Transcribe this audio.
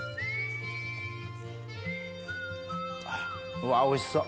うわおいしそう。